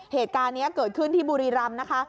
เหตุการณ์นี้เกิดขึ้นที่บุรีรำนะคะ